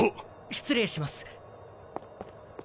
失礼します。